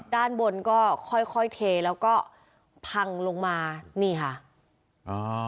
ด้านบนก็ค่อยค่อยเทแล้วก็พังลงมานี่ค่ะอ่า